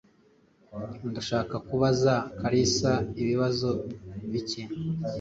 Ndashaka kubaza Kalisa ibibazo bike.